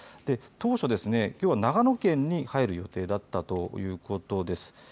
当初ですね、きょうは長野県に入る予定だったということです。